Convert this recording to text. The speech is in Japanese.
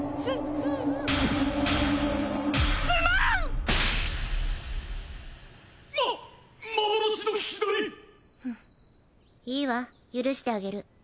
フンいいわ許してあげる。